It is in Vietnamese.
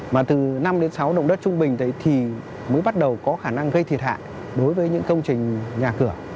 mà từ năm đến sáu động đất trung bình đấy thì mới bắt đầu có khả năng gây thiệt hại đối với những công trình nhà cửa